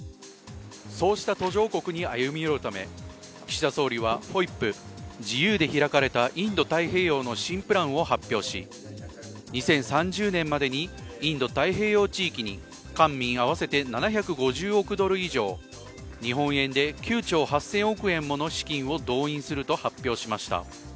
そうした途上国に歩み寄るため岸田総理はＦＯＩＰ＝自由で開かれたインド太平洋の新プランを発表し、２０３０年までにインド太平洋地域に官民合わせて７５０億ドル以上、日本円で９兆８０００億円もの資金を導入すると発表しました。